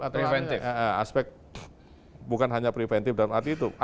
tapi aspek bukan hanya preventif dalam arti itu